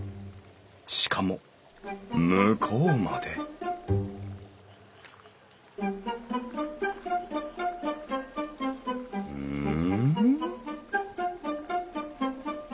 しかも向こうまでうん？